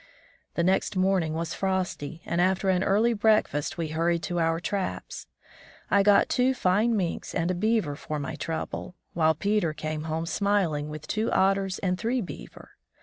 The next morning was frosty, and after an early breakfast we hurried to our traps. I got two fine minks and a beaver for my trouble, while Peter came home smiling with two otters and three beaver.